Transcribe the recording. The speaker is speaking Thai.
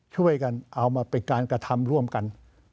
ช่วยกันเอามาเป็นการกระทำร่วมกัน